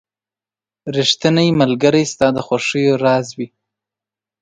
• ریښتینی ملګری ستا د خوښیو راز وي.